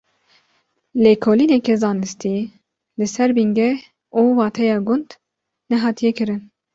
Lêkolîneke zanistî li ser bingeh û wateya gund nehatiye kirin.